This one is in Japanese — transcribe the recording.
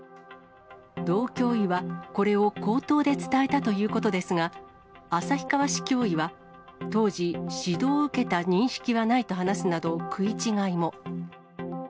道教委はこれを口頭で伝えたということですが、旭川市教委は、当時、指導を受けた認識はないと話すなど、食い違いも。